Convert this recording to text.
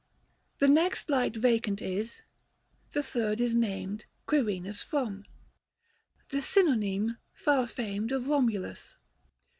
The next light vacant is : the third is named Quirinus from ; the synonym e, far famed, Of Komulus.